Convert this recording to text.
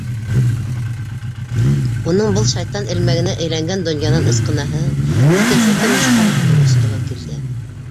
Уның был шайтан элмәгенә әйләнгән донъянан ысҡынаһы, икенсе тормошҡа осҡоһо килде.